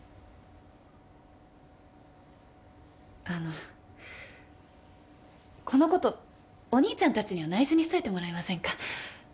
あのこのことお兄ちゃんたちにはないしょにしといてもらえませんか？